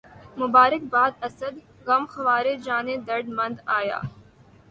مبارک باد اسد، غمخوارِ جانِ درد مند آیا